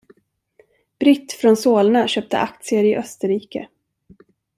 Britt från Solna köpte aktier i Österrike.